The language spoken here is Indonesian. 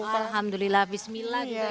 alhamdulillah bismillah gitu ya mbak ya